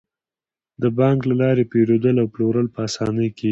د بانک له لارې پيرودل او پلورل په اسانۍ کیږي.